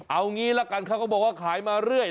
เอางี้ละกันเขาก็บอกว่าขายมาเรื่อย